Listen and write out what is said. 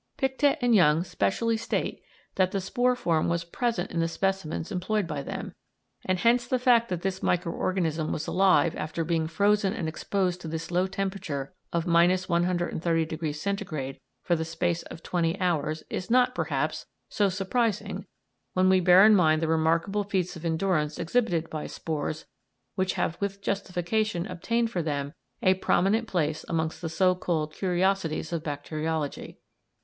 Pictet and Young specially state that the spore form was present in the specimens employed by them, and hence the fact that this micro organism was alive after being frozen and exposed to this low temperature of 130° C. for the space of twenty hours is not, perhaps, so surprising when we bear in mind the remarkable feats of endurance exhibited by spores which have with justification obtained for them a prominent place amongst the so called curiosities of bacteriology.